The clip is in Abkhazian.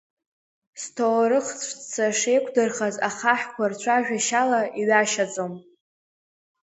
Сҭоурых-ҵәца шеиқәдырхаз ахаҳәқәа, рцәажәашьала иҩашьаӡом.